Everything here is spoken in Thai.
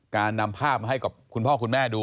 นำภาพมาให้กับคุณพ่อคุณแม่ดู